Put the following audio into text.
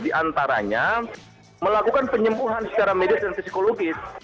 diantaranya melakukan penyembuhan secara medis dan psikologis